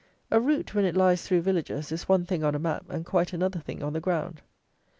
A route, when it lies through villages, is one thing on a map, and quite another thing on the ground.